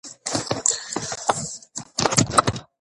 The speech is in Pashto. په ژبه کښي نوي لغاتونه او اصطلاحات جوړیږي.